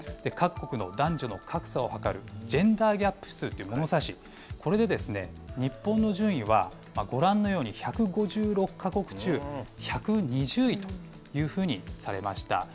各国の男女の格差を測るジェンダーギャップ指数という物差し、これで日本の順位は、ご覧のように１５６か国中１２０位というふうにされました。